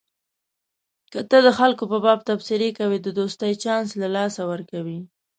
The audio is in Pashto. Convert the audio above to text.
که ته د خلکو په باب تبصرې کوې د دوستۍ چانس له لاسه ورکوې.